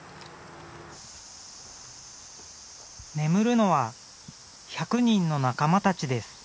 眠るのは１００人の仲間たちです。